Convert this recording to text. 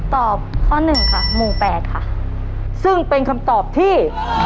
ตอบข้อหนึ่งค่ะหมู่แปดค่ะซึ่งเป็นคำตอบที่